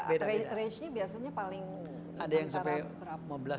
range nya biasanya paling ada antara berapa